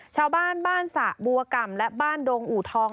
ชาวบ้านบ้านสะบัวก่ำและบ้านดงอูทอง